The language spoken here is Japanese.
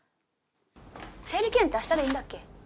整理券ってあしたでいいんだっけ？